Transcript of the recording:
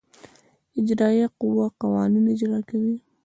اجرائیه قوه قوانین اجرا کوي.